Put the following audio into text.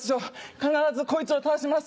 必ずこいつを倒します。